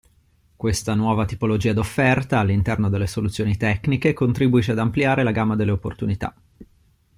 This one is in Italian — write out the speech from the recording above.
Questa nuova tipologia d'offerta all'interno delle soluzioni tecniche contribuisce ad ampliare la gamma delle opportunità.